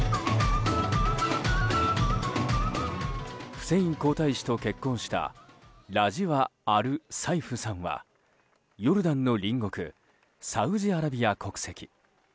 フセイン皇太子と結婚したラジワ・アル・サイフさんはヨルダンの隣国サウジアラビア国籍。